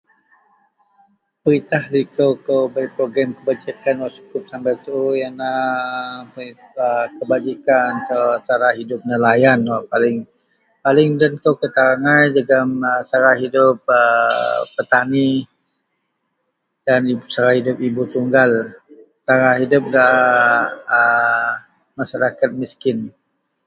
peritah liko kou wak bei program Kebajikan cukup sembal tuu ienlah aa bei a kebajikan sara-sara hidup nelayan wak paling, paling den kou ketara agai jegum sara hidup a petani dan sara hidup ibu tunggal, sara hidup gak a masyarakat miskin